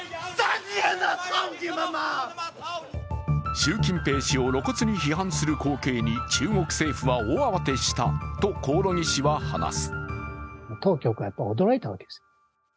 習近平を露骨に批判する光景に中国政府は大慌てしたと興梠氏は話す。